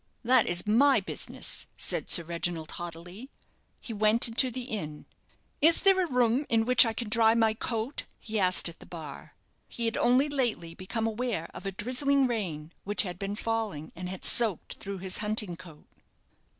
"That is my business," said Sir Reginald, haughtily. He went into the inn. "Is there a room in which I can dry my coat?" he asked at the bar. He had only lately become aware of a drizzling rain which had been falling, and had soaked through his hunting coat.